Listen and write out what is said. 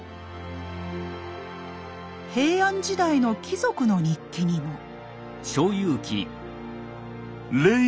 平安時代の貴族の日記にも。